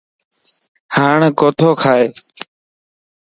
ھاڻ ڪوتو کائي